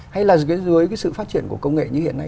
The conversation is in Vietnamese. hay là phía dưới cái sự phát triển của công nghệ như hiện nay